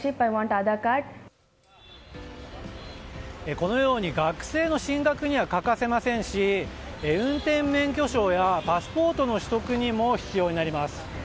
このように学生の進学には欠かせませんし運転免許証やパスポートの取得にも必要になります。